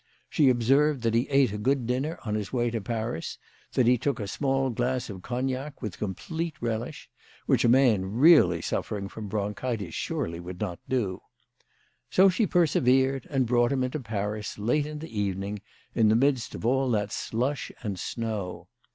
She observed that he ate a good dinner on his way to Paris, and that he took a small glass of cognac with complete relish, which a man really suffering from bronchitis surely would not do. So she persevered, and brought him into Paris, late in the evening, in the midst of all that slush and snow.